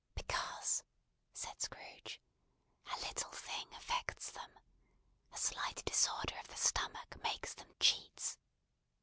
"Because," said Scrooge, "a little thing affects them. A slight disorder of the stomach makes them cheats.